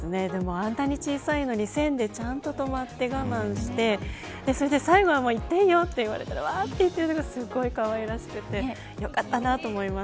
あんなに小さいのに線でちゃんと止まって、我慢してそれで最後は行っていいよって言われたらわーって行くのがすごいかわいらしくてよかったなと思います。